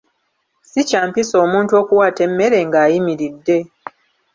Si kya mpisa omuntu okuwaata emmere nga ayimiridde.